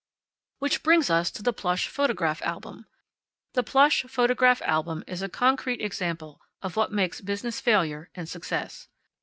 Which brings us to the plush photograph album. The plush photograph album is a concrete example of what makes business failure and success.